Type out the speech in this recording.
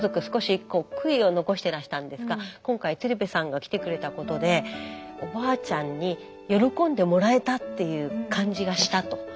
少しこう悔いを残してらしたんですが今回鶴瓶さんが来てくれたことでおばあちゃんに喜んでもらえたっていう感じがしたと。